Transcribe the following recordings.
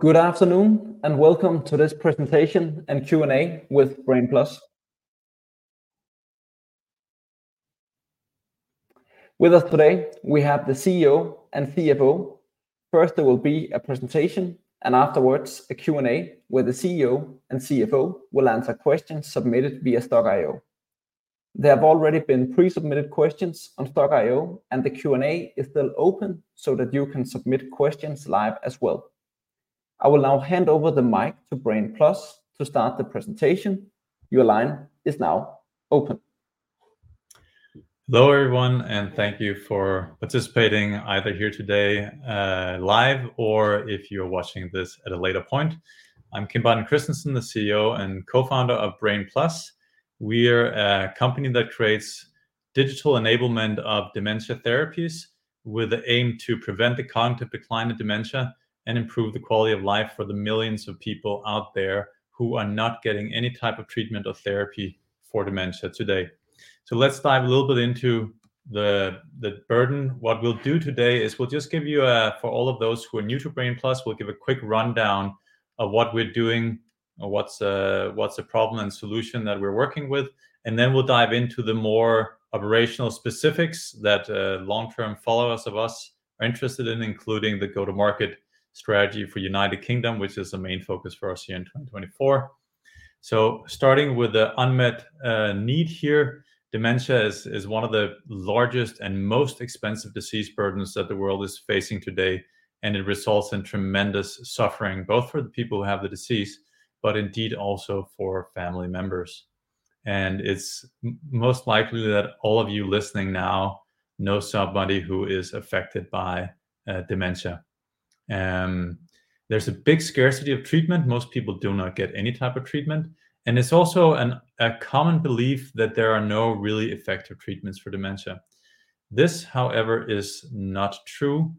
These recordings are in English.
Good afternoon and welcome to this presentation and Q&A with Brain+. With us today we have the CEO and CFO. First there will be a presentation and afterwards a Q&A where the CEO and CFO will answer questions submitted via Stokk.io. There have already been pre-submitted questions on Stokk.io and the Q&A is still open so that you can submit questions live as well. I will now hand over the mic to Brain+ to start the presentation. Your line is now open. Hello everyone and thank you for participating either here today, live or if you're watching this at a later point. I'm Kim Baden-Kristensen, the CEO and co-founder of Brain+. We're a company that creates digital enablement of dementia therapies with the aim to prevent the cognitive decline in dementia and improve the quality of life for the millions of people out there who are not getting any type of treatment or therapy for dementia today. So let's dive a little bit into the burden. What we'll do today is we'll just give you, for all of those who are new to Brain+, we'll give a quick rundown of what we're doing or what's the problem and solution that we're working with. Then we'll dive into the more operational specifics that, long-term followers of us are interested in, including the go-to-market strategy for the United Kingdom, which is the main focus for us here in 2024. Starting with the unmet need here, dementia is one of the largest and most expensive disease burdens that the world is facing today, and it results in tremendous suffering both for the people who have the disease, but indeed also for family members. It's most likely that all of you listening now know somebody who is affected by dementia. There's a big scarcity of treatment. Most people do not get any type of treatment. It's also a common belief that there are no really effective treatments for dementia. This, however, is not true.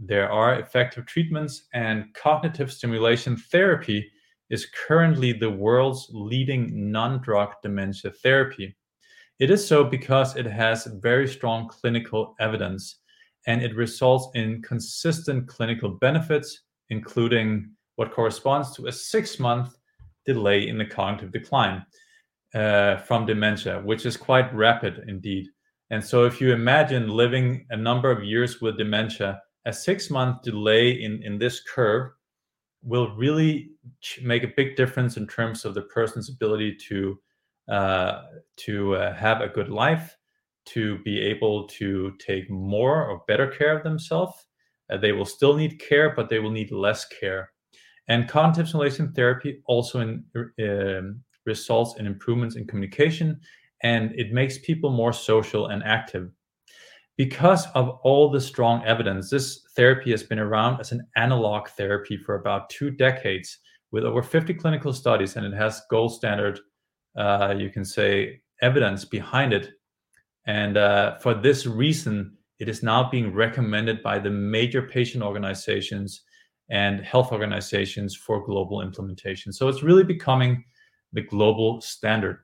There are effective treatments, and cognitive stimulation therapy is currently the world's leading non-drug dementia therapy. It is so because it has very strong clinical evidence, and it results in consistent clinical benefits, including what corresponds to a six-month delay in the cognitive decline from dementia, which is quite rapid, indeed. And so if you imagine living a number of years with dementia, a six-month delay in this curve will really make a big difference in terms of the person's ability to have a good life, to be able to take more or better care of themselves. They will still need care, but they will need less care. And Cognitive Stimulation Therapy also results in improvements in communication, and it makes people more social and active. Because of all the strong evidence, this therapy has been around as an analog therapy for about two decades with over 50 clinical studies, and it has gold standard, you can say, evidence behind it. For this reason, it is now being recommended by the major patient organizations and health organizations for global implementation. It's really becoming the global standard.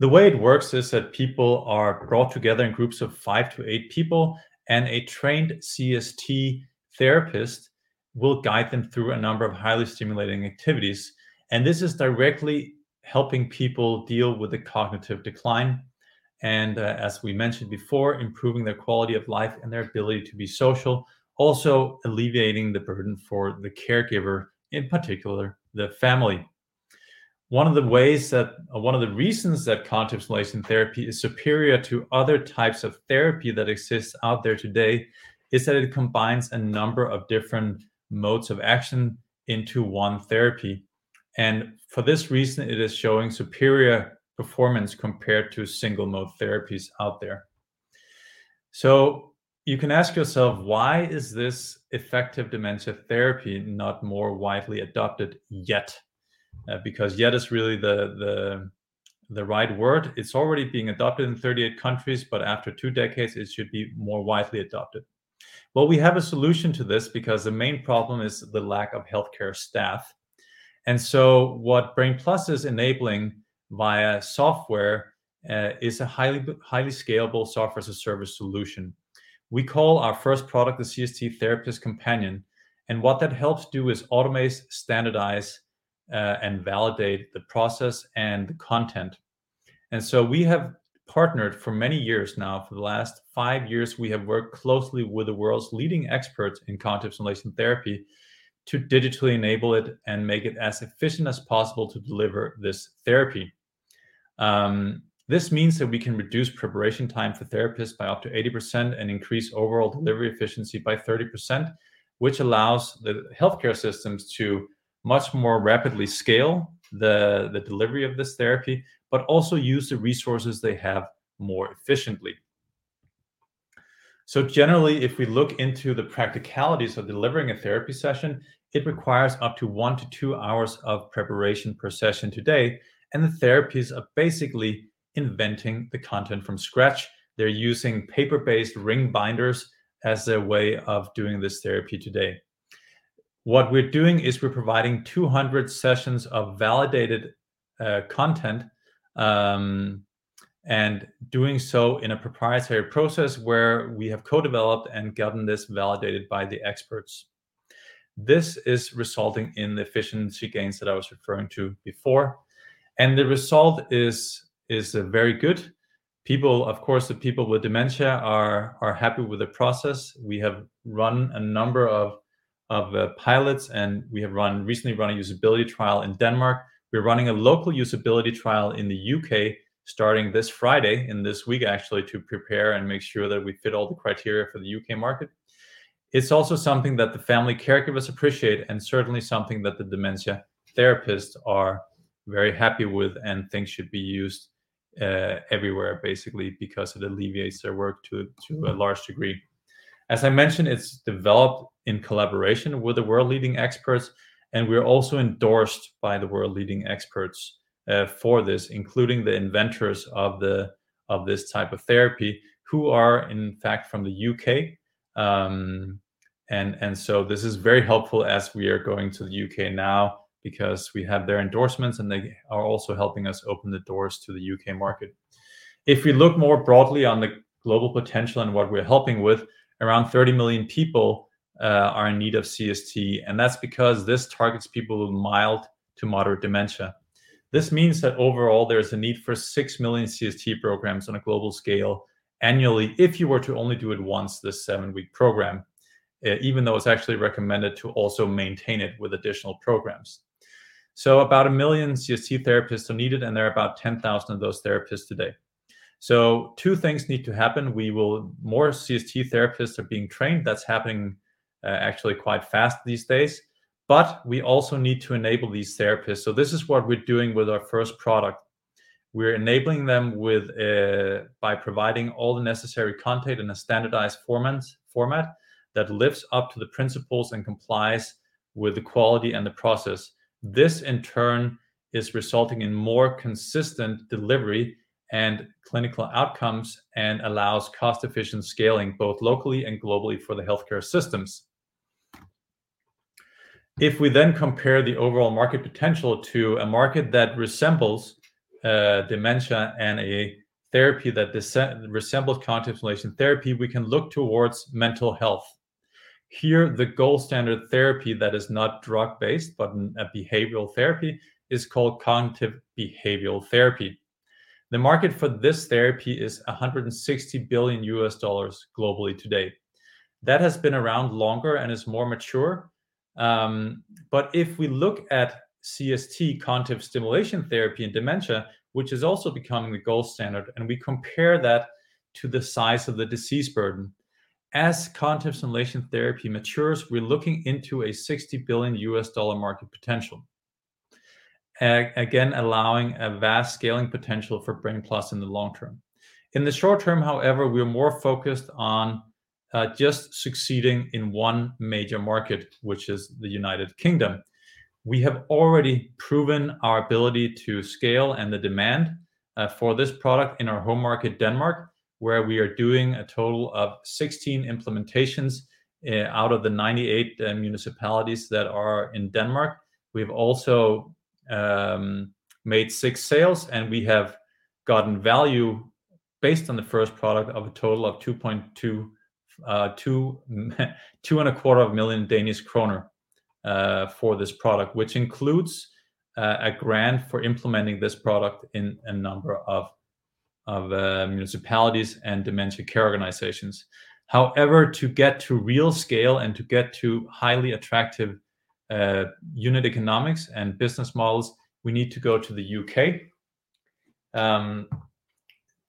The way it works is that people are brought together in groups of five to eight people, and a trained CST therapist will guide them through a number of highly stimulating activities. This is directly helping people deal with the cognitive decline. As we mentioned before, improving their quality of life and their ability to be social, also alleviating the burden for the caregiver, in particular the family. One of the ways that, one of the reasons that cognitive stimulation therapy is superior to other types of therapy that exist out there today is that it combines a number of different modes of action into one therapy. For this reason, it is showing superior performance compared to single-mode therapies out there. So you can ask yourself, why is this effective dementia therapy not more widely adopted yet? Because yet is really the right word. It's already being adopted in 38 countries, but after two decades, it should be more widely adopted. Well, we have a solution to this because the main problem is the lack of healthcare staff. And so what Brain+ is enabling via software is a highly, highly scalable software-as-a-service solution. We call our first product the CST Therapist Companion. And what that helps do is automate, standardize, and validate the process and the content. And so we have partnered for many years now. For the last five years, we have worked closely with the world's leading experts in cognitive stimulation therapy to digitally enable it and make it as efficient as possible to deliver this therapy. This means that we can reduce preparation time for therapists by up to 80% and increase overall delivery efficiency by 30%, which allows the healthcare systems to much more rapidly scale the delivery of this therapy, but also use the resources they have more efficiently. So generally, if we look into the practicalities of delivering a therapy session, it requires up to one to two hours of preparation per session today. The therapists are basically inventing the content from scratch. They're using paper-based ring binders as their way of doing this therapy today. What we're doing is we're providing 200 sessions of validated content, and doing so in a proprietary process where we have co-developed and gotten this validated by the experts. This is resulting in the efficiency gains that I was referring to before. The result is very good. People, of course, the people with dementia are happy with the process. We have run a number of pilots, and we have recently run a usability trial in Denmark. We're running a local usability trial in the U.K. starting this Friday in this week, actually, to prepare and make sure that we fit all the criteria for the U.K. market. It's also something that the family caregivers appreciate and certainly something that the dementia therapists are very happy with, and things should be used everywhere, basically, because it alleviates their work to a large degree. As I mentioned, it's developed in collaboration with the world-leading experts. And we're also endorsed by the world-leading experts, for this, including the inventors of this type of therapy, who are, in fact, from the U.K. And so this is very helpful as we are going to the U.K. now because we have their endorsements, and they are also helping us open the doors to the U.K. market. If we look more broadly on the global potential and what we're helping with, around 30 million people are in need of CST. And that's because this targets people with mild to moderate dementia. This means that overall, there's a need for 6 million CST programs on a global scale annually if you were to only do it once, this seven--week program, even though it's actually recommended to also maintain it with additional programs. About 1 million CST therapists are needed, and there are about 10,000 of those therapists today. Two things need to happen. We will more CST therapists are being trained. That's happening, actually quite fast these days. But we also need to enable these therapists. This is what we're doing with our first product. We're enabling them with by providing all the necessary content in a standardized format that lives up to the principles and complies with the quality and the process. This, in turn, is resulting in more consistent delivery and clinical outcomes and allows cost-efficient scaling both locally and globally for the healthcare systems. If we then compare the overall market potential to a market that resembles dementia and a therapy that resembles cognitive stimulation therapy, we can look towards mental health. Here, the gold standard therapy that is not drug-based but a behavioral therapy is called Cognitive Behavioral Therapy. The market for this therapy is $160 billion globally today. That has been around longer and is more mature. But if we look at CST, cognitive stimulation therapy in dementia, which is also becoming the gold standard, and we compare that to the size of the disease burden, as cognitive stimulation therapy matures, we're looking into a $60 billion market potential, again, allowing a vast scaling potential for Brain+ in the long term. In the short term, however, we're more focused on, just succeeding in one major market, which is the United Kingdom. We have already proven our ability to scale and the demand, for this product in our home market, Denmark, where we are doing a total of 16 implementations, out of the 98 municipalities that are in Denmark. We've also made six sales, and we have gotten value based on the first product of a total of 2.2 million-2.25 million Danish kroner, for this product, which includes a grant for implementing this product in a number of municipalities and dementia care organizations. However, to get to real scale and to get to highly attractive unit economics and business models, we need to go to the U.K.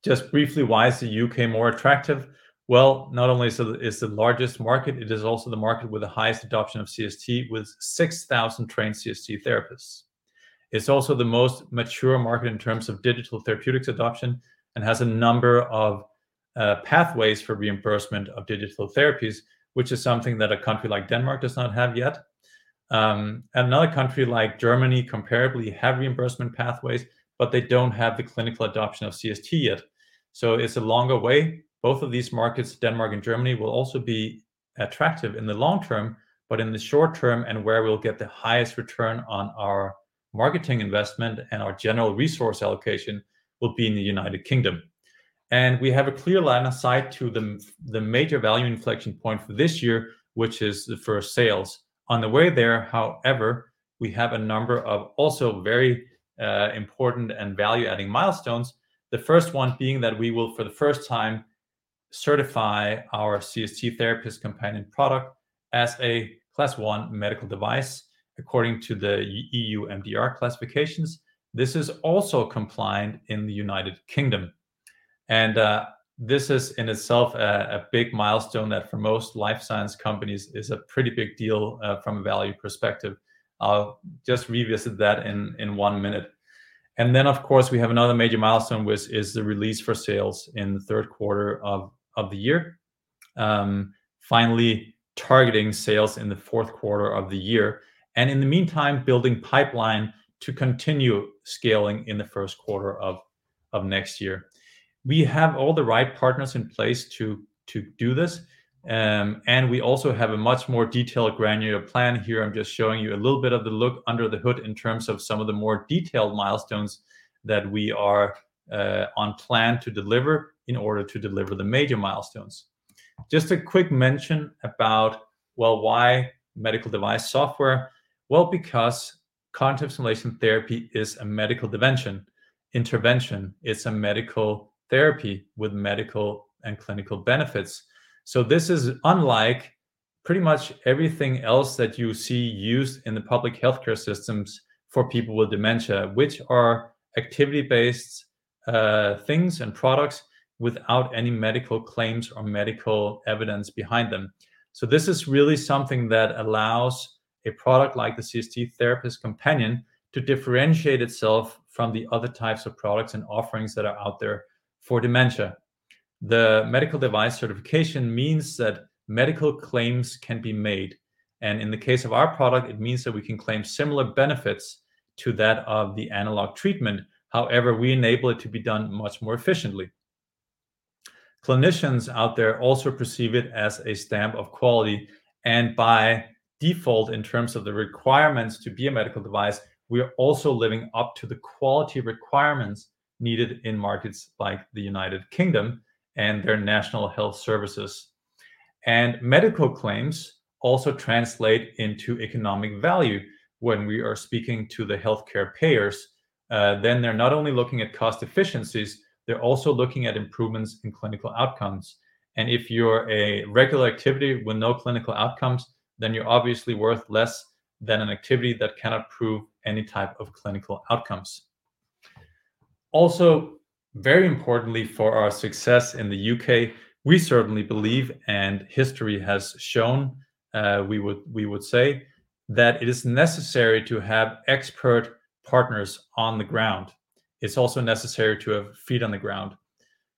Just briefly, why is the U.K. more attractive? Well, not only is it the largest market, it is also the market with the highest adoption of CST, with 6,000 trained CST therapists. It's also the most mature market in terms of digital therapeutics adoption and has a number of pathways for reimbursement of digital therapies, which is something that a country like Denmark does not have yet. And another country like Germany comparably have reimbursement pathways, but they don't have the clinical adoption of CST yet. So it's a longer way. Both of these markets, Denmark and Germany, will also be attractive in the long term. But in the short term and where we'll get the highest return on our marketing investment and our general resource allocation will be in the United Kingdom. And we have a clear line of sight to the major value inflection point for this year, which is the first sales. On the way there, however, we have a number of also very important and value-adding milestones, the first one being that we will, for the first time, certify our CST Therapist Companion product as a Class I medical device according to the EU MDR classifications. This is also compliant in the United Kingdom. This is in itself a big milestone that for most life science companies is a pretty big deal, from a value perspective. I'll just revisit that in, in one minute. Then, of course, we have another major milestone, which is the release for sales in the third quarter of, of the year. Finally, targeting sales in the fourth quarter of the year. In the meantime, building a pipeline to continue scaling in the first quarter of, of next year. We have all the right partners in place to, to do this. We also have a much more detailed, granular plan here. I'm just showing you a little bit of the look under the hood in terms of some of the more detailed milestones that we are, on plan to deliver in order to deliver the major milestones. Just a quick mention about, well, why medical device software? Well, because cognitive stimulation therapy is a medical intervention. It's a medical therapy with medical and clinical benefits. So this is unlike pretty much everything else that you see used in the public healthcare systems for people with dementia, which are activity-based, things and products without any medical claims or medical evidence behind them. So this is really something that allows a product like the CST Therapist Companion to differentiate itself from the other types of products and offerings that are out there for dementia. The medical device certification means that medical claims can be made. And in the case of our product, it means that we can claim similar benefits to that of the analog treatment. However, we enable it to be done much more efficiently. Clinicians out there also perceive it as a stamp of quality. By default, in terms of the requirements to be a medical device, we are also living up to the quality requirements needed in markets like the United Kingdom and their national health services. Medical claims also translate into economic value. When we are speaking to the healthcare payers, then they're not only looking at cost efficiencies, they're also looking at improvements in clinical outcomes. If you're a regular activity with no clinical outcomes, then you're obviously worth less than an activity that cannot prove any type of clinical outcomes. Also, very importantly for our success in the U.K., we certainly believe, and history has shown, we would say, that it is necessary to have expert partners on the ground. It's also necessary to have feet on the ground.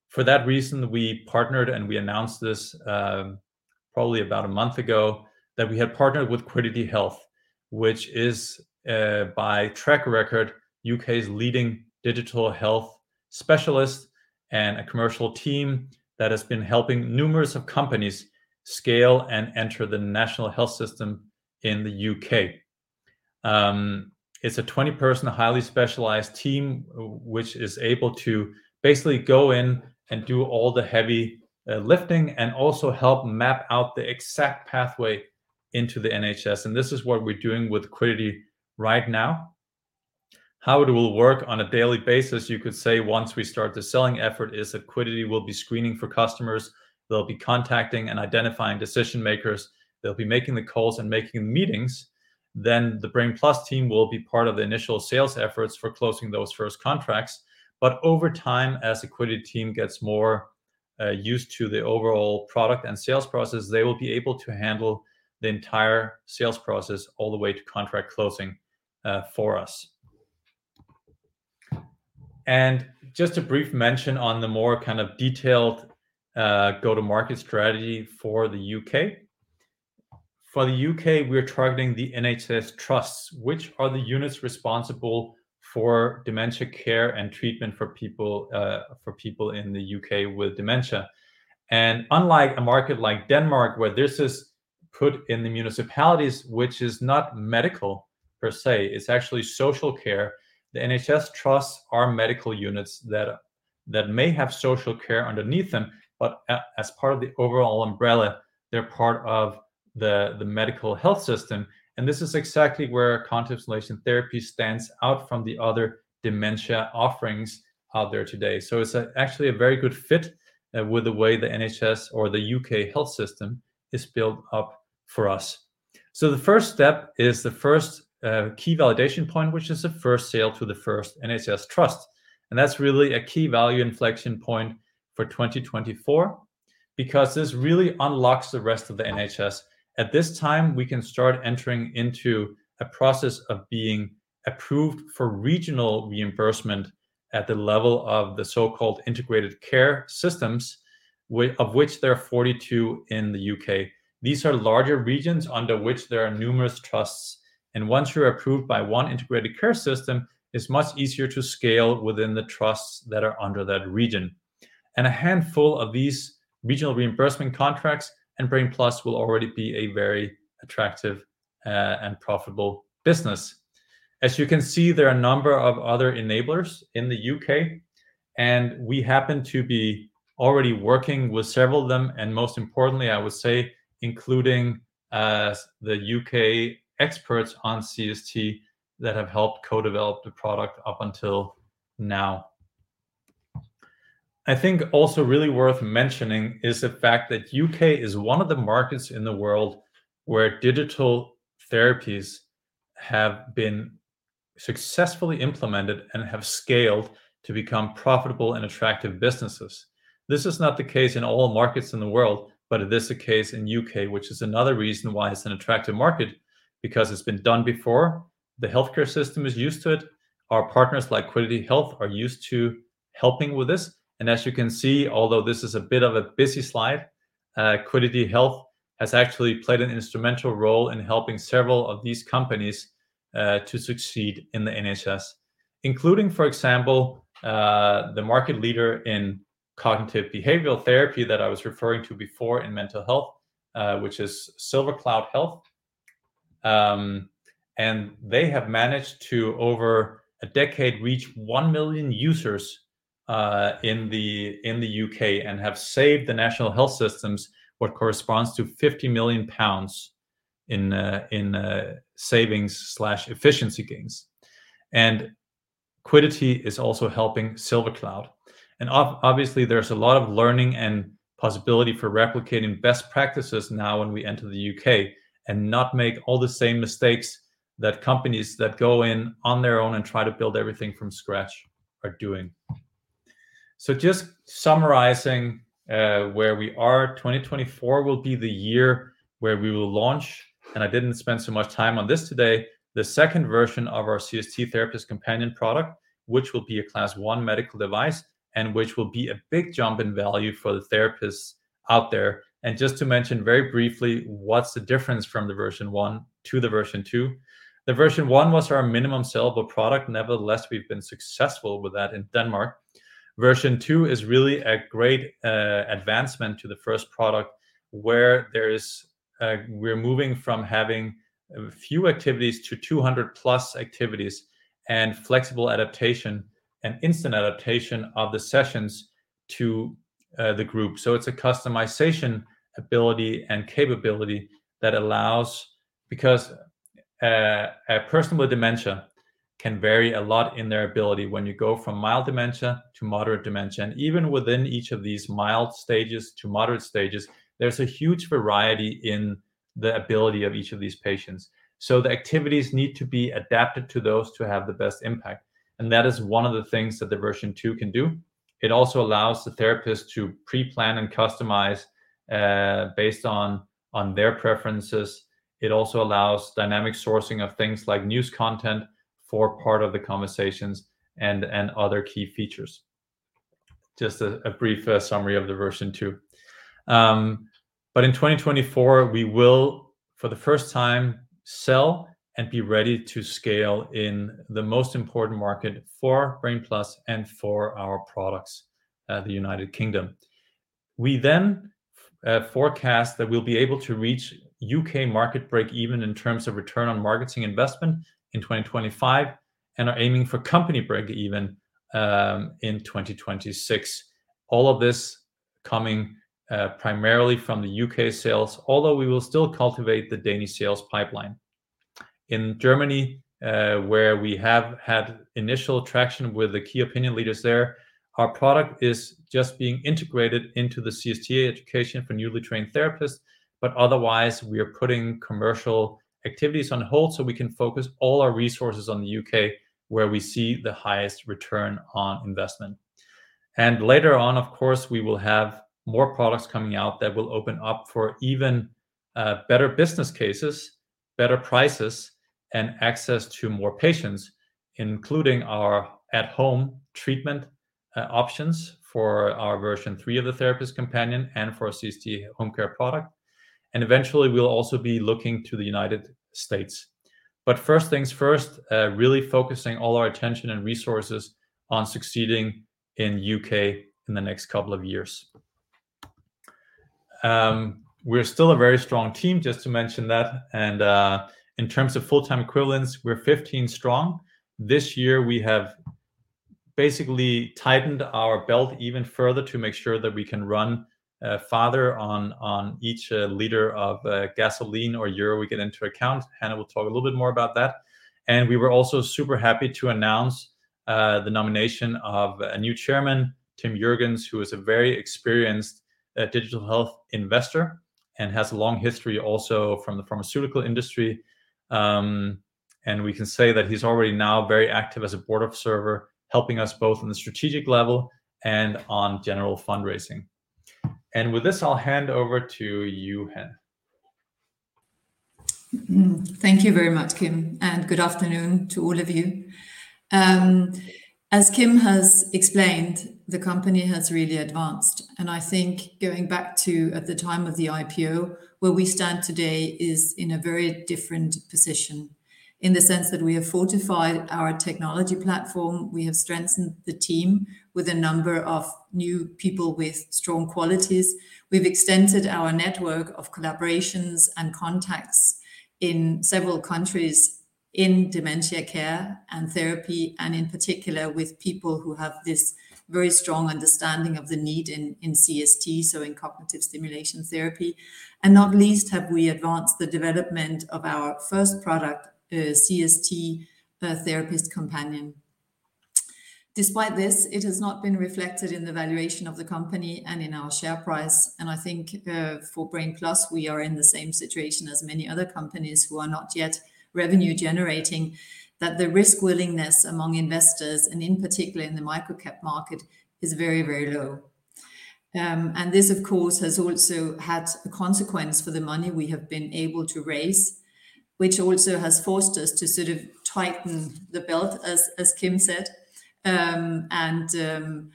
For that reason, we partnered and we announced this, probably about a month ago, that we had partnered with Quiddity Health, which is, by track record, U.K.'s leading digital health specialist and a commercial team that has been helping numerous companies scale and enter the national health system in the U.K. It's a 20-person, highly specialized team, which is able to basically go in and do all the heavy lifting and also help map out the exact pathway into the NHS. And this is what we're doing with Quiddity right now. How it will work on a daily basis, you could say, once we start the selling effort is that Quiddity will be screening for customers. They'll be contacting and identifying decision-makers. They'll be making the calls and making the meetings. Then the Brain+ team will be part of the initial sales efforts for closing those first contracts. But over time, as the Quiddity team gets more used to the overall product and sales process, they will be able to handle the entire sales process all the way to contract closing for us. And just a brief mention on the more kind of detailed go-to-market strategy for the U.K. For the U.K., we're targeting the NHS Trusts, which are the units responsible for dementia care and treatment for people, for people in the U.K. with dementia. And unlike a market like Denmark, where this is put in the municipalities, which is not medical per se, it's actually social care, the NHS Trusts are medical units that may have social care underneath them, but as part of the overall umbrella, they're part of the medical health system. And this is exactly where Cognitive Stimulation Therapy stands out from the other dementia offerings out there today. It's actually a very good fit with the way the NHS or the U.K. health system is built up for us. The first step is the first, key validation point, which is the first sale to the first NHS trust. That's really a key value inflection point for 2024 because this really unlocks the rest of the NHS. At this time, we can start entering into a process of being approved for regional reimbursement at the level of the so-called Integrated Care Systems, of which there are 42 in the U.K. These are larger regions under which there are numerous trusts. Once you're approved by one Integrated Care System, it's much easier to scale within the trusts that are under that region. A handful of these regional reimbursement contracts and Brain+ will already be a very attractive, and profitable business. As you can see, there are a number of other enablers in the U.K. We happen to be already working with several of them. Most importantly, I would say, including the U.K. experts on CST that have helped co-develop the product up until now. I think also really worth mentioning is the fact that the U.K. is one of the markets in the world where digital therapies have been successfully implemented and have scaled to become profitable and attractive businesses. This is not the case in all markets in the world, but it is the case in the U.K., which is another reason why it's an attractive market, because it's been done before. The healthcare system is used to it. Our partners like Quiddity Health are used to helping with this. As you can see, although this is a bit of a busy slide, Quiddity Health has actually played an instrumental role in helping several of these companies to succeed in the NHS, including, for example, the market leader in cognitive behavioral therapy that I was referring to before in mental health, which is SilverCloud Health. They have managed to, over a decade, reach 1 million users in the U.K. and have saved the national health systems what corresponds to 50 million pounds in savings/efficiency gains. Quiddity is also helping SilverCloud. Obviously, there's a lot of learning and possibility for replicating best practices now when we enter the U.K. and not make all the same mistakes that companies that go in on their own and try to build everything from scratch are doing. So just summarizing, where we are, 2024 will be the year where we will launch, and I didn't spend so much time on this today, the second version of our CST Therapist Companion product, which will be a Class I medical device and which will be a big jump in value for the therapists out there. Just to mention very briefly what's the difference from the version 1 to the version 2. The version 1 was our minimum sellable product. Nevertheless, we've been successful with that in Denmark. Version 2 is really a great advancement to the first product where there is, we're moving from having a few activities to 200+ activities and flexible adaptation and instant adaptation of the sessions to the group. So it's a customization ability and capability that allows, because a person with dementia can vary a lot in their ability when you go from mild dementia to moderate dementia. And even within each of these mild stages to moderate stages, there's a huge variety in the ability of each of these patients. So the activities need to be adapted to those to have the best impact. And that is one of the things that the version 2 can do. It also allows the therapist to pre-plan and customize, based on their preferences. It also allows dynamic sourcing of things like news content for part of the conversations and other key features. Just a brief summary of the version 2. In 2024, we will, for the first time, sell and be ready to scale in the most important market for Brain+ and for our products in the United Kingdom. We then forecast that we'll be able to reach U.K. market break-even in terms of return on marketing investment in 2025 and are aiming for company break-even in 2026. All of this coming primarily from the U.K. sales, although we will still cultivate the Danish sales pipeline. In Germany, where we have had initial traction with the Key Opinion Leaders there, our product is just being integrated into the CST education for newly trained therapists. Otherwise, we are putting commercial activities on hold so we can focus all our resources on the U.K. where we see the highest return on investment. Later on, of course, we will have more products coming out that will open up for even better business cases, better prices, and access to more patients, including our at-home treatment options for our version 3 of the Therapist Companion and for our CST Home Care product. Eventually, we'll also be looking to the United States. But first things first, really focusing all our attention and resources on succeeding in the U.K. in the next couple of years. We're still a very strong team, just to mention that. In terms of full-time equivalents, we're 15 strong. This year, we have basically tightened our belt even further to make sure that we can run farther on each liter of gasoline or funding we get into account. Hanne will talk a little bit more about that. And we were also super happy to announce the nomination of a new chairman, Tim Jürgens, who is a very experienced digital health investor and has a long history also from the pharmaceutical industry. And we can say that he's already now very active as a board observer, helping us both on the strategic level and on general fundraising. And with this, I'll hand over to you, Hanne. Thank you very much, Kim. And good afternoon to all of you. As Kim has explained, the company has really advanced. And I think going back to at the time of the IPO, where we stand today is in a very different position in the sense that we have fortified our technology platform. We have strengthened the team with a number of new people with strong qualities. We've extended our network of collaborations and contacts in several countries in dementia care and therapy and in particular with people who have this very strong understanding of the need in CST, so in cognitive stimulation therapy. And not least, have we advanced the development of our first product, CST Therapist Companion. Despite this, it has not been reflected in the valuation of the company and in our share price. And I think, for Brain+, we are in the same situation as many other companies who are not yet revenue-generating, that the risk willingness among investors and in particular in the microcap market is very, very low. And this, of course, has also had a consequence for the money we have been able to raise, which also has forced us to sort of tighten the belt, as as Kim said, and,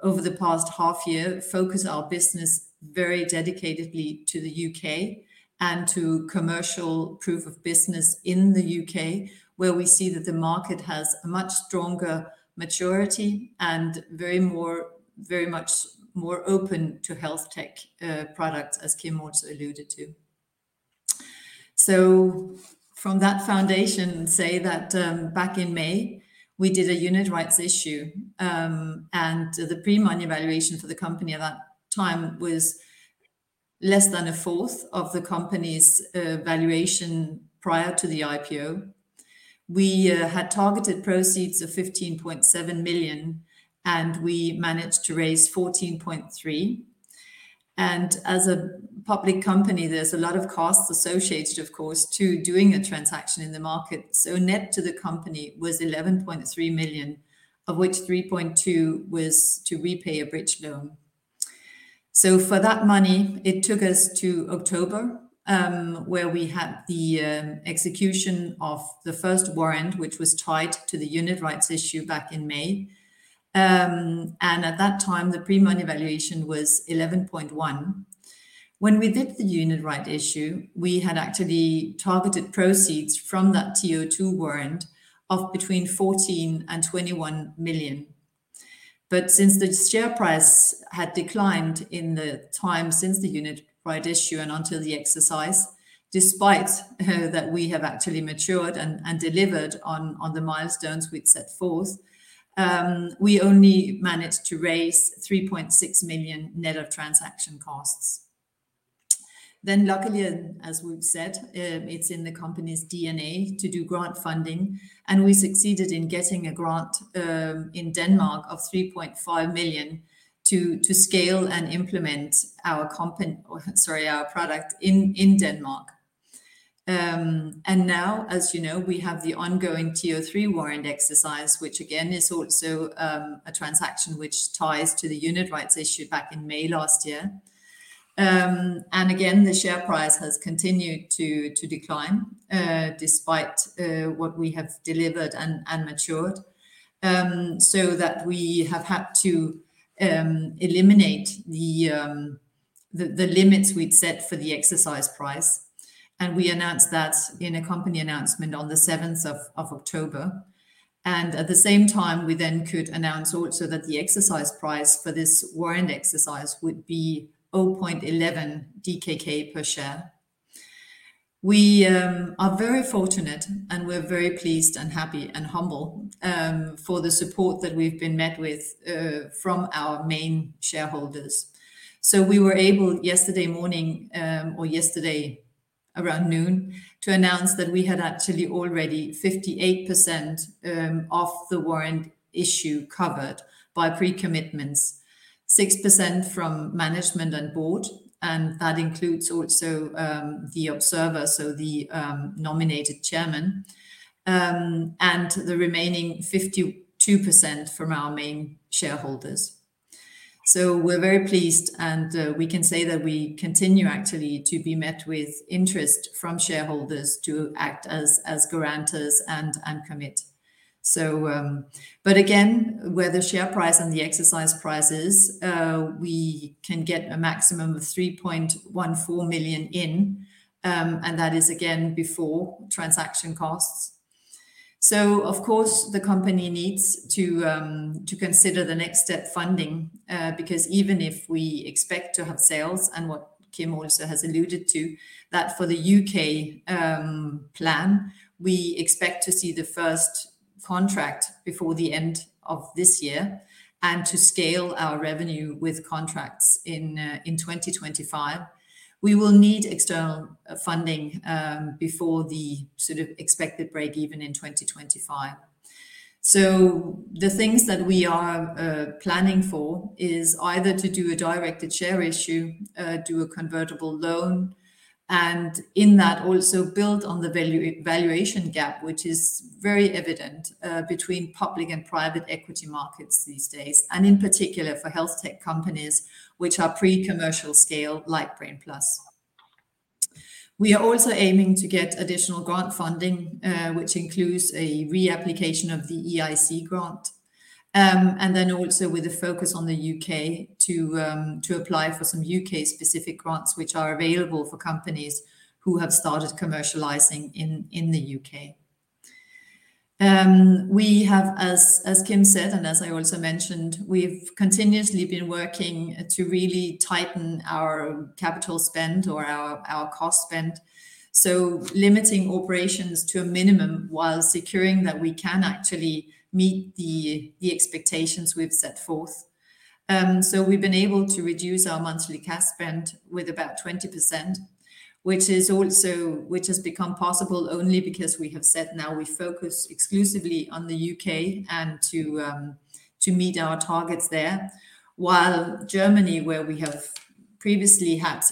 over the past half year, focus our business very dedicatedly to the U.K. and to commercial proof of business in the U.K., where we see that the market has a much stronger maturity and very more very much more open to health tech products, as Kim also alluded to. So from that foundation, say that, back in May, we did a unit rights issue. The pre-money valuation for the company at that time was less than a fourth of the company's valuation prior to the IPO. We had targeted proceeds of 15.7 million, and we managed to raise 14.3 million. As a public company, there's a lot of costs associated, of course, to doing a transaction in the market. So net to the company was 11.3 million, of which 3.2 million was to repay a bridge loan. So for that money, it took us to October, where we had the execution of the first warrant, which was tied to the unit rights issue back in May. And at that time, the pre-money valuation was 11.1 million. When we did the unit rights issue, we had actually targeted proceeds from that TO2 warrant of between 14 million and 21 million. But since the share price had declined in the time since the unit rights issue and until the exercise, despite that we have actually matured and delivered on the milestones we'd set forth, we only managed to raise 3.6 million net of transaction costs. Then luckily, as we've said, it's in the company's DNA to do grant funding. And we succeeded in getting a grant in Denmark of 3.5 million to scale and implement our company—sorry, our product—in Denmark. And now, as you know, we have the ongoing TO3 warrant exercise, which again is also a transaction which ties to the unit rights issue back in May last year. And again, the share price has continued to decline, despite what we have delivered and matured, so that we have had to eliminate the limits we'd set for the exercise price. And we announced that in a company announcement on the October 7th. And at the same time, we then could announce also that the exercise price for this warrant exercise would be 0.11 DKK per share. We are very fortunate, and we're very pleased, happy, and humble for the support that we've been met with from our main shareholders. So we were able yesterday morning, or yesterday around noon, to announce that we had actually already 58% of the warrant issue covered by pre-commitments, 6% from management and board, and that includes also the observer, so the nominated chairman, and the remaining 52% from our main shareholders. So we're very pleased, and we can say that we continue actually to be met with interest from shareholders to act as guarantors and commit. So but again, where the share price and the exercise price is, we can get a maximum of 3.14 million, and that is again before transaction costs. So of course, the company needs to, to consider the next step funding, because even if we expect to have sales and what Kim also has alluded to, that for the U.K. plan, we expect to see the first contract before the end of this year and to scale our revenue with contracts in, in 2025. We will need external funding before the sort of expected break-even in 2025. So the things that we are planning for is either to do a directed share issue, do a convertible loan, and in that also build on the valuation gap, which is very evident between public and private equity markets these days, and in particular for health tech companies which are pre-commercial scale like Brain+. We are also aiming to get additional grant funding, which includes a reapplication of the EIC grant, and then also with a focus on the U.K. to apply for some U.K. specific grants which are available for companies who have started commercializing in the U.K. We have, as Kim said and as I also mentioned, we've continuously been working to really tighten our capital spend or our cost spend. So limiting operations to a minimum while securing that we can actually meet the expectations we've set forth. So we've been able to reduce our monthly cash spend with about 20%, which has become possible only because we have said now we focus exclusively on the U.K. and to meet our targets there. While Germany, where we have previously had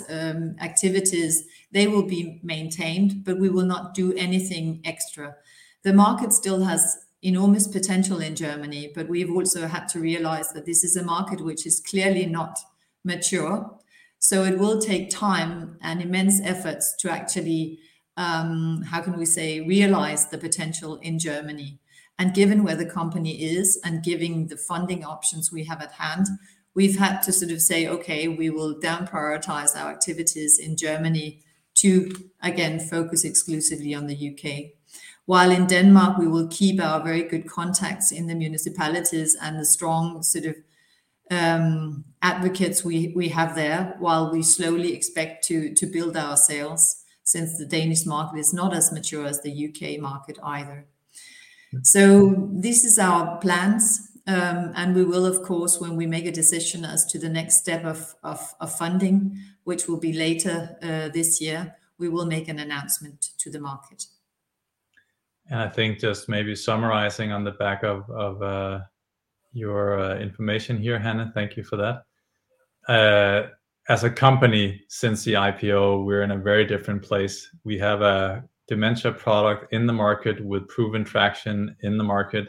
activities, they will be maintained, but we will not do anything extra. The market still has enormous potential in Germany, but we've also had to realize that this is a market which is clearly not mature. So it will take time and immense efforts to actually, how can we say, realize the potential in Germany. And given where the company is and given the funding options we have at hand, we've had to sort of say, okay, we will downprioritize our activities in Germany to, again, focus exclusively on the U.K. While in Denmark, we will keep our very good contacts in the municipalities and the strong sort of advocates we have there while we slowly expect to build our sales since the Danish market is not as mature as the U.K. market either. This is our plans, and we will, of course, when we make a decision as to the next step of funding, which will be later this year, we will make an announcement to the market. I think just maybe summarizing on the back of your information here, Hanne, thank you for that. As a company since the IPO, we're in a very different place. We have a dementia product in the market with proven traction in the market.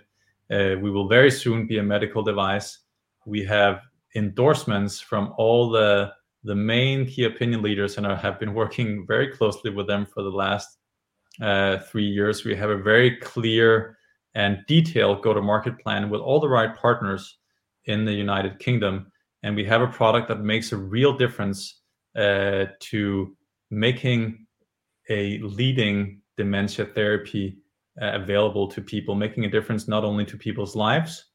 We will very soon be a medical device. We have endorsements from all the main Key Opinion Leaders and have been working very closely with them for the last three years. We have a very clear and detailed go-to-market plan with all the right partners in the United Kingdom. We have a product that makes a real difference to making a leading dementia therapy available to people, making a difference not only to people's lives,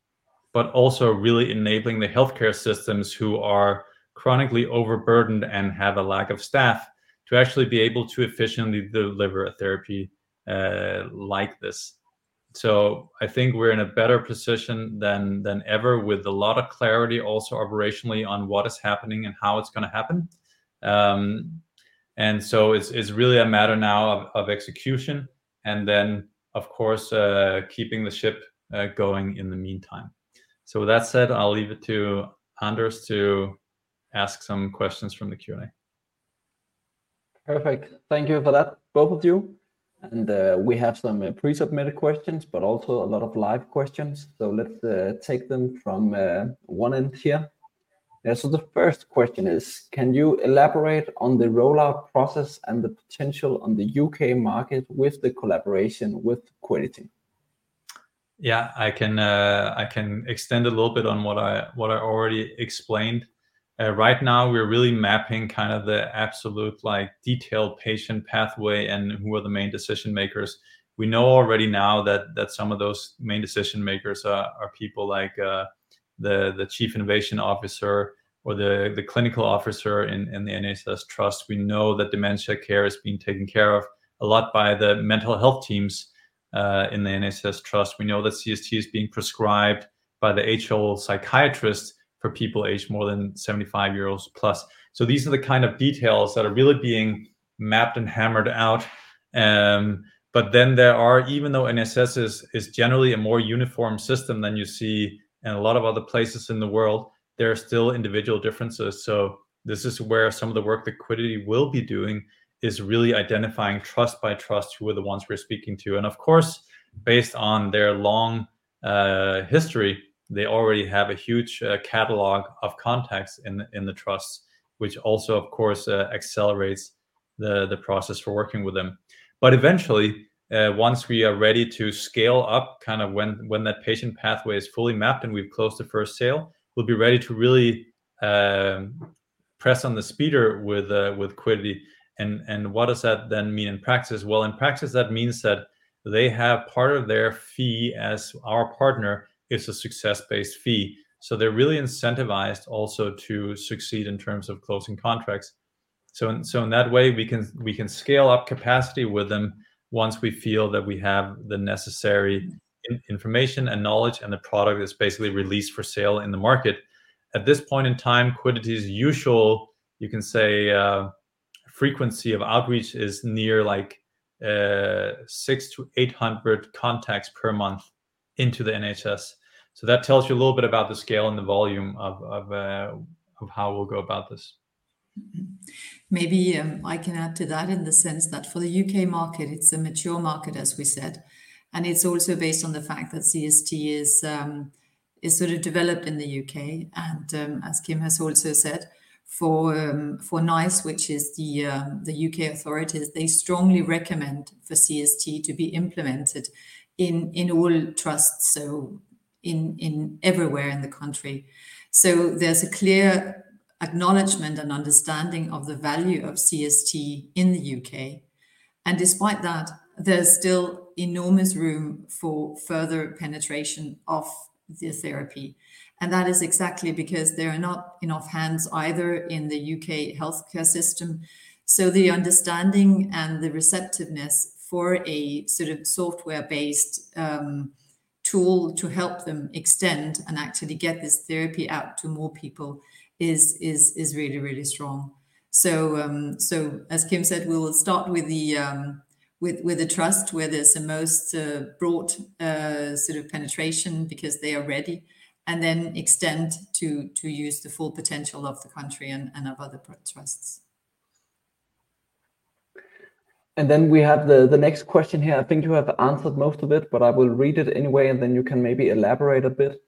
but also really enabling the healthcare systems who are chronically overburdened and have a lack of staff to actually be able to efficiently deliver a therapy like this. So I think we're in a better position than ever with a lot of clarity also operationally on what is happening and how it's going to happen. So it's really a matter now of execution and then, of course, keeping the ship going in the meantime. So with that said, I'll leave it to Anders to ask some questions from the Q&A. Perfect. Thank you for that, both of you. We have some pre-submitted questions, but also a lot of live questions. Let's take them from one end here. Yeah, so the first question is, can you elaborate on the rollout process and the potential on the U.K. market with the collaboration with Quiddity? Yeah, I can, I can extend a little bit on what I already explained. Right now, we're really mapping kind of the absolute, like, detailed patient pathway and who are the main decision makers. We know already now that some of those main decision makers are people like the chief innovation officer or the clinical officer in the NHS Trust. We know that dementia care is being taken care of a lot by the mental health teams in the NHS Trust. We know that CST is being prescribed by the old age psychiatrist for people aged more than 75+ years. So these are the kind of details that are really being mapped and hammered out. But then there are even though NHS is generally a more uniform system than you see in a lot of other places in the world, there are still individual differences. So this is where some of the work that Quiddity will be doing is really identifying trust by trust who are the ones we're speaking to. And of course, based on their long history, they already have a huge catalog of contacts in the trusts, which also, of course, accelerates the process for working with them. But eventually, once we are ready to scale up kind of when that patient pathway is fully mapped and we've closed the first sale, we'll be ready to really press on the speeder with Quiddity. And what does that then mean in practice? Well, in practice, that means that they have part of their fee as our partner is a success-based fee. So they're really incentivized also to succeed in terms of closing contracts. So in that way, we can scale up capacity with them once we feel that we have the necessary information and knowledge and the product is basically released for sale in the market. At this point in time, Quiddity's usual, you can say, frequency of outreach is near, like, 600-800 contacts per month into the NHS. So that tells you a little bit about the scale and the volume of how we'll go about this. Maybe, I can add to that in the sense that for the U.K. market, it's a mature market, as we said. It's also based on the fact that CST is sort of developed in the U.K. As Kim has also said, for NICE, which is the U.K. authorities, they strongly recommend for CST to be implemented in all trusts, so in everywhere in the country. There's a clear acknowledgment and understanding of the value of CST in the U.K. Despite that, there's still enormous room for further penetration of the therapy. That is exactly because there are not enough hands either in the U.K. healthcare system. The understanding and the receptiveness for a sort of software-based tool to help them extend and actually get this therapy out to more people is really, really strong. So, as Kim said, we'll start with the trust where there's the most broad sort of penetration because they are ready, and then extend to use the full potential of the country and of other trusts. Then we have the next question here. I think you have answered most of it, but I will read it anyway, and then you can maybe elaborate a bit.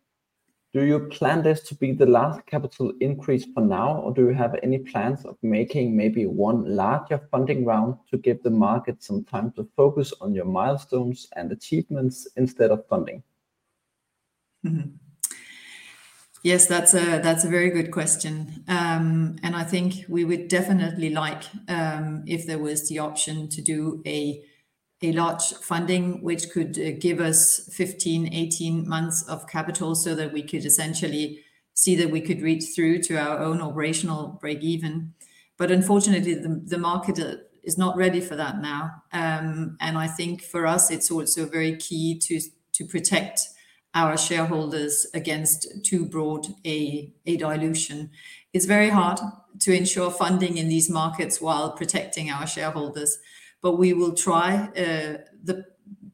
Do you plan this to be the last capital increase for now, or do you have any plans of making maybe one larger funding round to give the market some time to focus on your milestones and achievements instead of funding? Mm-hmm. Yes, that's a very good question. I think we would definitely like, if there was the option to do a large funding, which could give us 15, 18 months of capital so that we could essentially see that we could reach through to our own operational break-even. But unfortunately, the market is not ready for that now. I think for us, it's also very key to protect our shareholders against too broad a dilution. It's very hard to ensure funding in these markets while protecting our shareholders, but we will try, the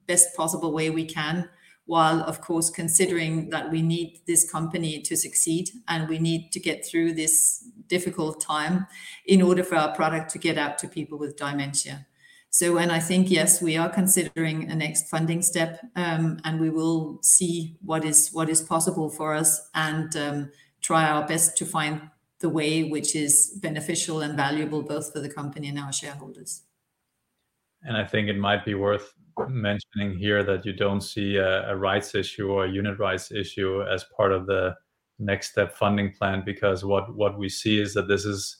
best possible way we can while, of course, considering that we need this company to succeed and we need to get through this difficult time in order for our product to get out to people with dementia. When I think, yes, we are considering a next funding step, and we will see what is possible for us and try our best to find the way which is beneficial and valuable both for the company and our shareholders. And I think it might be worth mentioning here that you don't see a rights issue or a unit rights issue as part of the next step funding plan because what we see is that this is,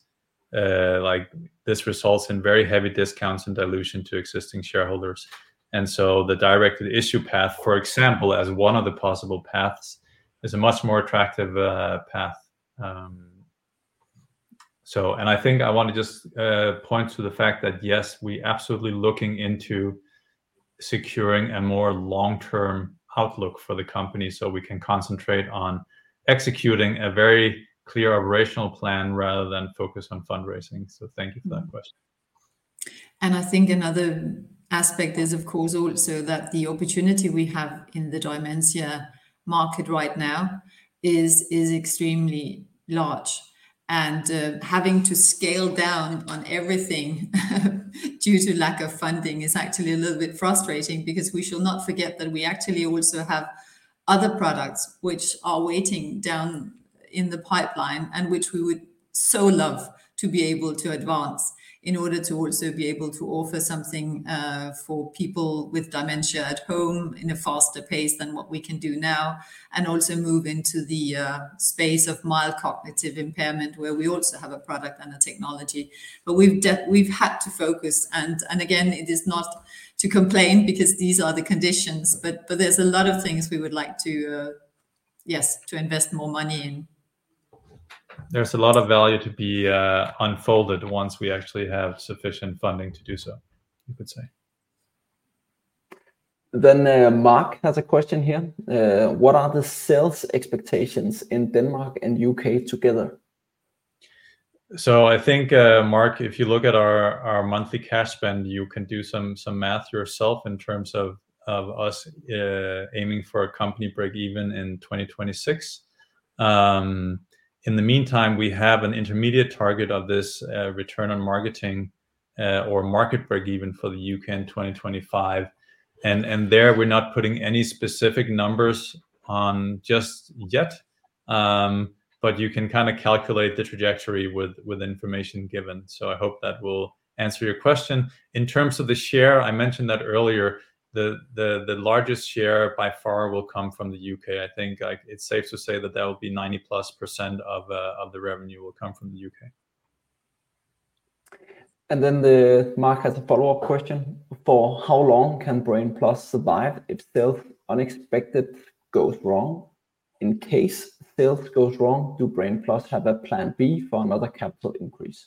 like, this results in very heavy discounts and dilution to existing shareholders. And so the directed issue path, for example, as one of the possible paths, is a much more attractive path. So and I think I want to just point to the fact that, yes, we absolutely looking into securing a more long-term outlook for the company so we can concentrate on executing a very clear operational plan rather than focus on fundraising. So thank you for that question. I think another aspect is, of course, also that the opportunity we have in the dementia market right now is extremely large. Having to scale down on everything due to lack of funding is actually a little bit frustrating because we shall not forget that we actually also have other products which are waiting down in the pipeline and which we would so love to be able to advance in order to also be able to offer something for people with dementia at home in a faster pace than what we can do now, and also move into the space of mild cognitive impairment where we also have a product and a technology. But we've had to focus. Again, it is not to complain because these are the conditions, but there's a lot of things we would like to, yes, to invest more money in. There's a lot of value to be unfolded once we actually have sufficient funding to do so, you could say. Mark has a question here. What are the sales expectations in Denmark and U.K. together? So I think, Mark, if you look at our monthly cash spend, you can do some math yourself in terms of us, aiming for a company break-even in 2026. In the meantime, we have an intermediate target of this return on marketing, or market break-even for the U.K. in 2025. And there, we're not putting any specific numbers on just yet. But you can kind of calculate the trajectory with information given. So I hope that will answer your question. In terms of the share, I mentioned that earlier, the largest share by far will come from the U.K. I think, like, it's safe to say that will be 90%+ of the revenue will come from the U.K. And then Mark has a follow-up question for how long can Brain+ survive if sales unexpected goes wrong? In case sales goes wrong, do Brain+ have a plan B for another capital increase?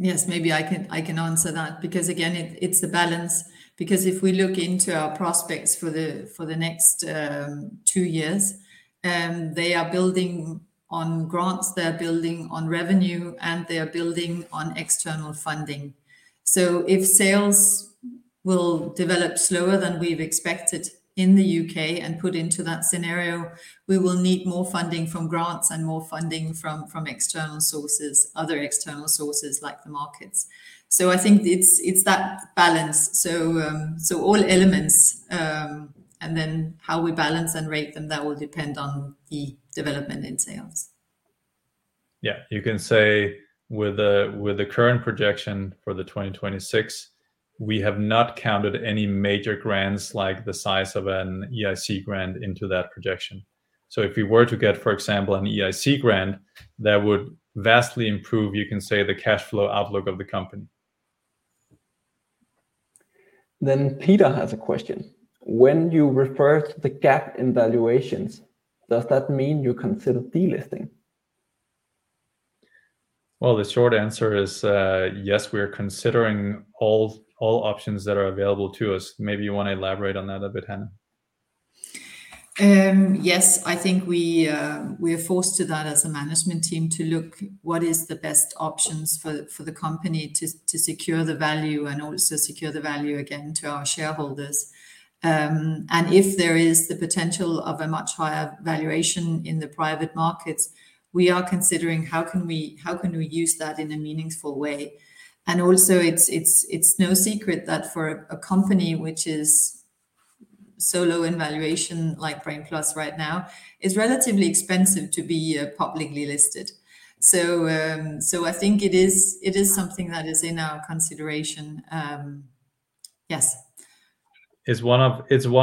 Yes, maybe I can answer that because, again, it's the balance. Because if we look into our prospects for the next two years, they are building on grants, they are building on revenue, and they are building on external funding. So if sales will develop slower than we've expected in the U.K. and put into that scenario, we will need more funding from grants and more funding from external sources, other external sources like the markets. So I think it's that balance. So all elements, and then how we balance and rate them, that will depend on the development in sales. Yeah, you can say with the current projection for 2026, we have not counted any major grants like the size of an EIC grant into that projection. So if we were to get, for example, an EIC grant, that would vastly improve, you can say, the cash flow outlook of the company. Peter has a question. When you refer to the gap in valuations, does that mean you consider delisting? Well, the short answer is, yes, we are considering all options that are available to us. Maybe you want to elaborate on that a bit, Hanne? Yes, I think we are forced to that as a management team to look what is the best options for the company to secure the value and also secure the value again to our shareholders. And if there is the potential of a much higher valuation in the private markets, we are considering how can we use that in a meaningful way. And also, it's no secret that for a company which is so low in valuation like Brain+ right now, it's relatively expensive to be publicly listed. So, I think it is something that is in our consideration. Yes. It's one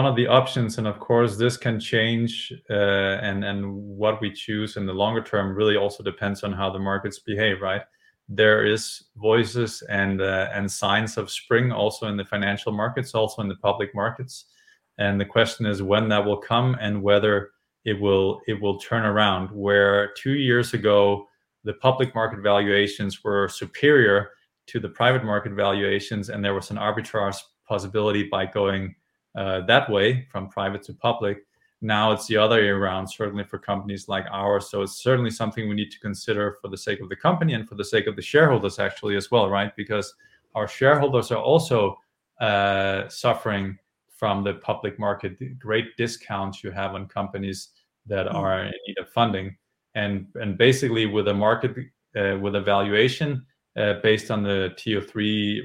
of the options. And of course, this can change, and what we choose in the longer term really also depends on how the markets behave, right? There is voices and signs of spring also in the financial markets, also in the public markets. And the question is when that will come and whether it will turn around, where two years ago, the public market valuations were superior to the private market valuations, and there was an arbitrage possibility by going that way from private to public. Now it's the other way around, certainly for companies like ours. So it's certainly something we need to consider for the sake of the company and for the sake of the shareholders, actually, as well, right? Because our shareholders are also suffering from the public market, the great discounts you have on companies that are in need of funding. And basically, with a market with a valuation, based on the TO3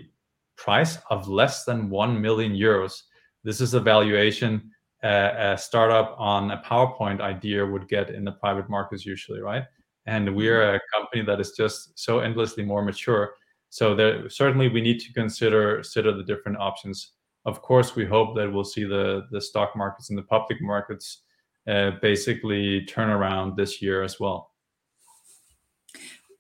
price of less than 1 million euros, this is a valuation a startup on a PowerPoint idea would get in the private markets usually, right? And we are a company that is just so endlessly more mature. So there certainly we need to consider the different options. Of course, we hope that we'll see the stock markets and the public markets basically turn around this year as well.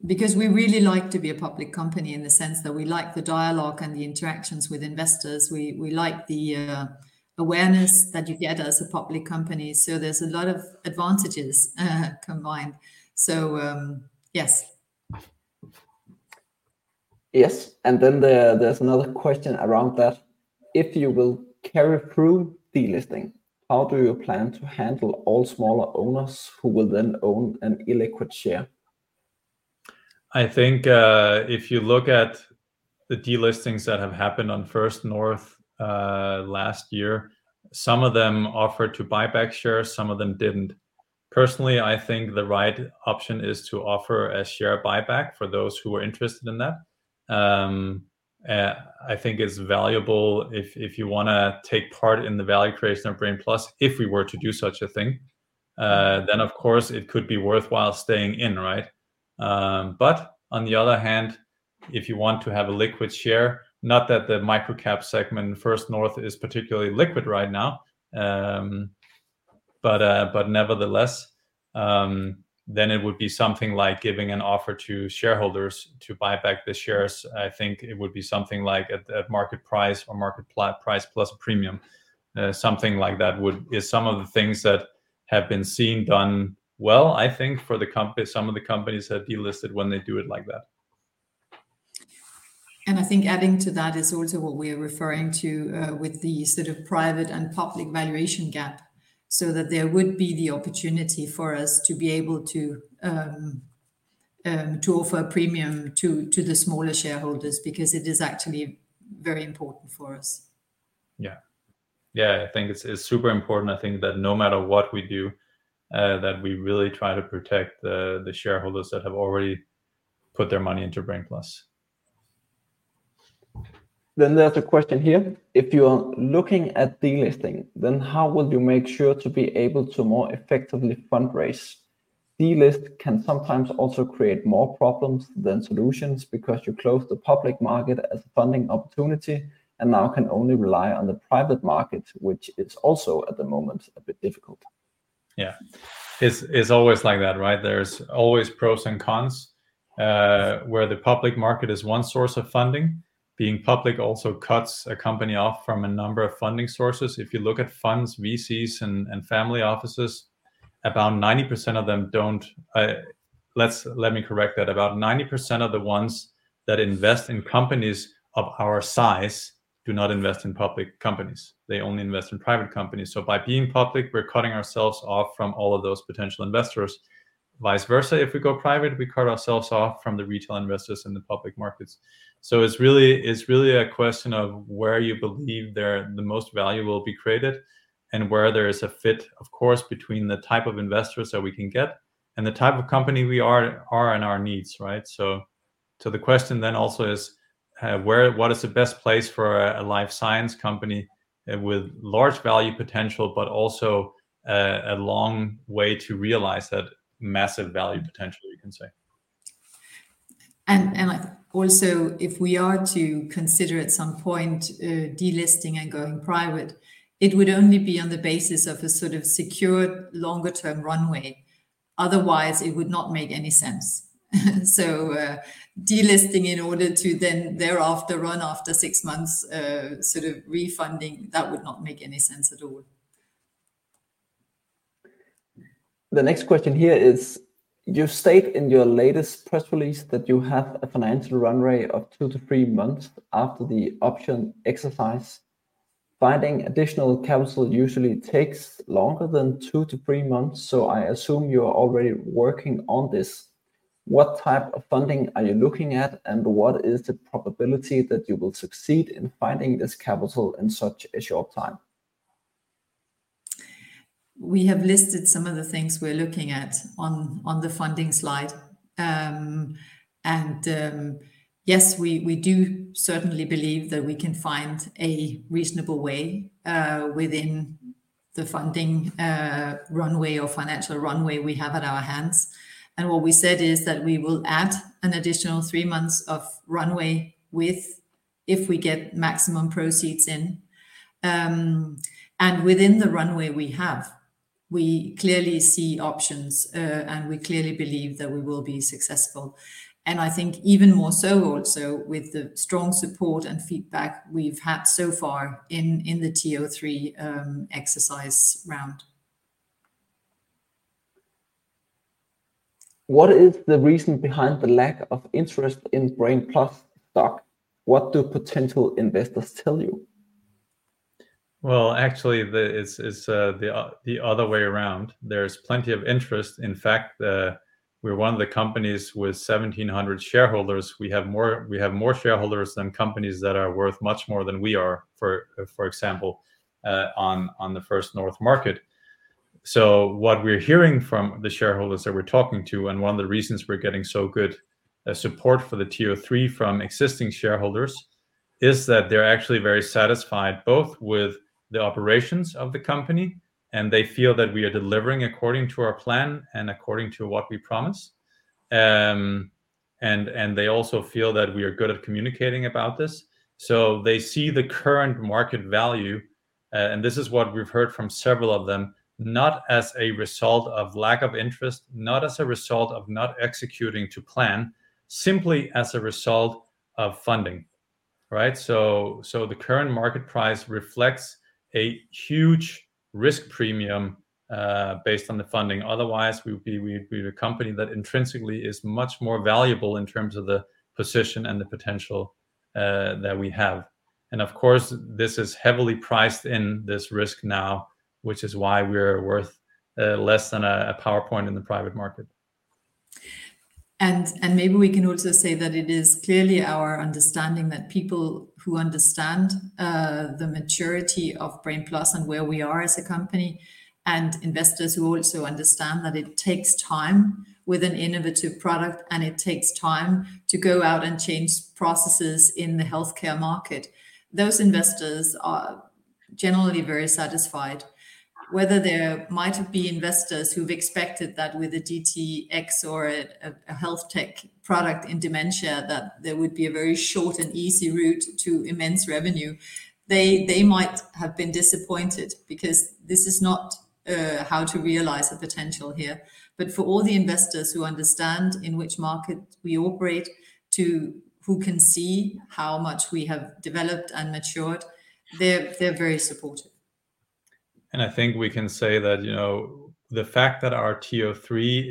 Because we really like to be a public company in the sense that we like the dialogue and the interactions with investors. We like the awareness that you get as a public company. So there's a lot of advantages, combined. So, yes. Yes. And then there's another question around that. If you will carry through delisting, how do you plan to handle all smaller owners who will then own an illiquid share? I think, if you look at the delistings that have happened on First North last year, some of them offered to buy back shares, some of them didn't. Personally, I think the right option is to offer a share buyback for those who are interested in that. I think it's valuable if you want to take part in the value creation of Brain+, if we were to do such a thing, then, of course, it could be worthwhile staying in, right? But on the other hand, if you want to have a liquid share, not that the microcap segment First North is particularly liquid right now, but nevertheless, then it would be something like giving an offer to shareholders to buy back the shares. I think it would be something like at market price or market price plus premium. Something like that would be some of the things that have been seen done well, I think, for the company. Some of the companies have delisted when they do it like that. I think adding to that is also what we are referring to, with the sort of private and public valuation gap, so that there would be the opportunity for us to be able to offer a premium to the smaller shareholders because it is actually very important for us. Yeah. Yeah, I think it's super important, I think, that no matter what we do, that we really try to protect the shareholders that have already put their money into Brain+. Then there's a question here. If you are looking at delisting, then how will you make sure to be able to more effectively fundraise? Delist can sometimes also create more problems than solutions because you close the public market as a funding opportunity and now can only rely on the private market, which is also at the moment a bit difficult. Yeah. It's always like that, right? There's always pros and cons, where the public market is one source of funding. Being public also cuts a company off from a number of funding sources. If you look at funds, VCs, and family offices, about 90% of them, let me correct that. About 90% of the ones that invest in companies of our size do not invest in public companies. They only invest in private companies. So by being public, we're cutting ourselves off from all of those potential investors. Vice versa, if we go private, we cut ourselves off from the retail investors in the public markets. So it's really a question of where you believe there the most value will be created and where there is a fit, of course, between the type of investors that we can get and the type of company we are and our needs, right? So the question then also is, what is the best place for a life science company, with large value potential but also a long way to realize that massive value potential, you can say. Also, if we are to consider at some point delisting and going private, it would only be on the basis of a sort of secured longer-term runway. Otherwise, it would not make any sense. So, delisting in order to then thereafter run after six months, sort of refunding, that would not make any sense at all. The next question here is, you state in your latest press release that you have a financial runway of two to three months after the option exercise. Finding additional capital usually takes longer than two to three months, so I assume you are already working on this. What type of funding are you looking at, and what is the probability that you will succeed in finding this capital in such a short time? We have listed some of the things we're looking at on the funding slide. And, yes, we do certainly believe that we can find a reasonable way within the funding runway or financial runway we have at our hands. And what we said is that we will add an additional three months of runway with if we get maximum proceeds in. And within the runway we have, we clearly see options, and we clearly believe that we will be successful. And I think even more so also with the strong support and feedback we've had so far in the TO3 exercise round. What is the reason behind the lack of interest in Brain+ stock? What do potential investors tell you? Well, actually, it's the other way around. There's plenty of interest. In fact, we're one of the companies with 1,700 shareholders. We have more shareholders than companies that are worth much more than we are, for example, on the First North market. So what we're hearing from the shareholders that we're talking to and one of the reasons we're getting so good support for the TO3 from existing shareholders is that they're actually very satisfied both with the operations of the company, and they feel that we are delivering according to our plan and according to what we promise. And they also feel that we are good at communicating about this. So they see the current market value and this is what we've heard from several of them, not as a result of lack of interest, not as a result of not executing to plan, simply as a result of funding, right? So the current market price reflects a huge risk premium, based on the funding. Otherwise, we'd be a company that intrinsically is much more valuable in terms of the position and the potential that we have. And of course, this is heavily priced in this risk now, which is why we're worth less than a PowerPoint in the private market. And maybe we can also say that it is clearly our understanding that people who understand the maturity of Brain+ and where we are as a company and investors who also understand that it takes time with an innovative product, and it takes time to go out and change processes in the healthcare market, those investors are generally very satisfied. Whether there might have been investors who've expected that with a DTx or a health tech product in dementia, that there would be a very short and easy route to immense revenue, they might have been disappointed because this is not how to realize the potential here. But for all the investors who understand in which market we operate, who can see how much we have developed and matured, they're very supportive. I think we can say that, you know, the fact that our TO3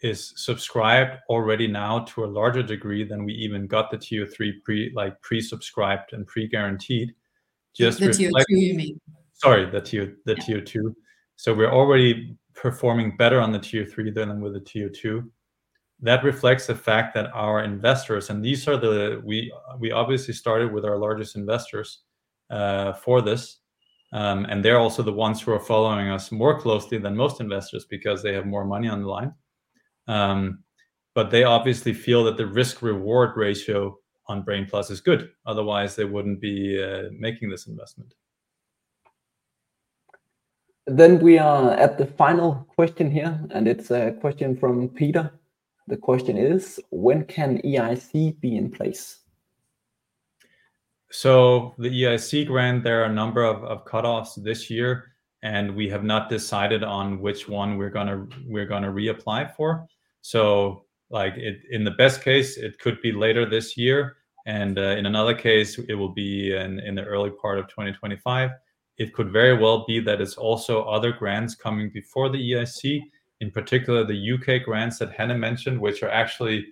is subscribed already now to a larger degree than we even got the TO3 pre like pre-subscribed and pre-guaranteed just reflects. The TO2, you mean? Sorry, the TO2. So we're already performing better on the TO3 than with the TO2. That reflects the fact that our investors and these are the ones we obviously started with our largest investors for this. And they're also the ones who are following us more closely than most investors because they have more money on the line. But they obviously feel that the risk-reward ratio on Brain+ is good. Otherwise, they wouldn't be making this investment. We are at the final question here, and it's a question from Peter. The question is, when can EIC be in place? So the EIC grant, there are a number of cutoffs this year, and we have not decided on which one we're going to reapply for. So, like, it in the best case, it could be later this year. And, in another case, it will be in the early part of 2025. It could very well be that it's also other grants coming before the EIC, in particular the U.K. grants that Hanne mentioned, which are actually,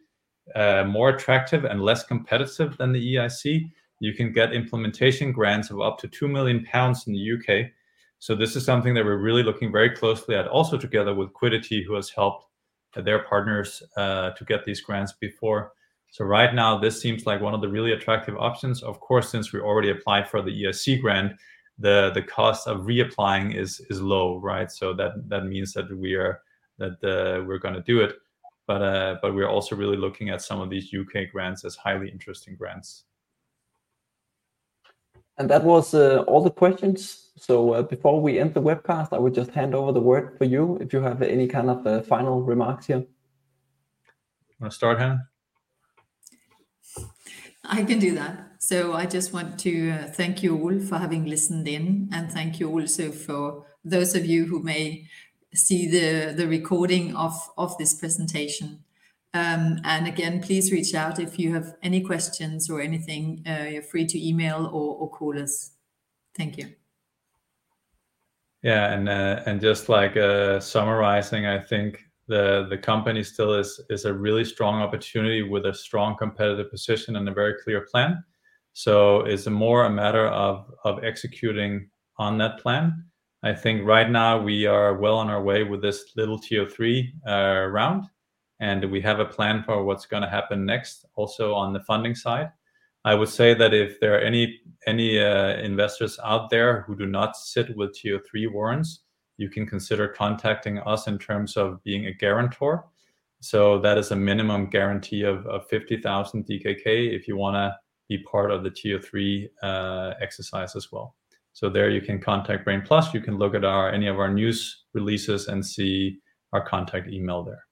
more attractive and less competitive than the EIC. You can get implementation grants of up to 2 million pounds in the U.K. So this is something that we're really looking very closely at, also together with Quiddity, who has helped their partners, to get these grants before. So right now, this seems like one of the really attractive options. Of course, since we already applied for the EIC grant, the cost of reapplying is low, right? So that means that we are, we're going to do it. But we're also really looking at some of these U.K. grants as highly interesting grants. That was all the questions. Before we end the webcast, I would just hand over the word for you if you have any kind of final remarks here. Want to start, Hanne? I can do that. So I just want to thank you all for having listened in, and thank you also for those of you who may see the recording of this presentation. And again, please reach out if you have any questions or anything. You're free to email or call us. Thank you. Yeah. And just like, summarizing, I think the company still is a really strong opportunity with a strong competitive position and a very clear plan. So it's more a matter of executing on that plan. I think right now, we are well on our way with this little TO3 round, and we have a plan for what's going to happen next, also on the funding side. I would say that if there are any investors out there who do not sit with TO3 warrants, you can consider contacting us in terms of being a guarantor. So that is a minimum guarantee of 50,000 DKK if you want to be part of the TO3 exercise as well. So there you can contact Brain+. You can look at our any of our news releases and see our contact email there.